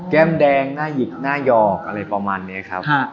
แก้มแดงหน้าหยิกหน้าหยอกอะไรประมาณนี้ครับ